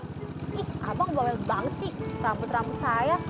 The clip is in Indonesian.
ih abang dowet banget sih rambut rambut saya